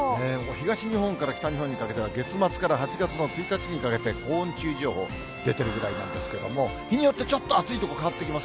東日本から北日本にかけては、月末から８月の１日にかけて、高温注意情報出てるぐらいなんですけれども、日によって、ちょっと暑い所変わってきます。